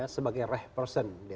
sebagai reh person